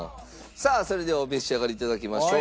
さあそれではお召し上がりいただきましょう。